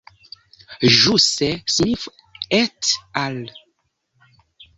Ĵuse Smith et al.